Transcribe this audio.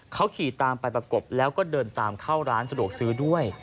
เขาขี่ตามไปประกบแล้วก็เดินตามเข้าร้านสะดวกซื้อด้วย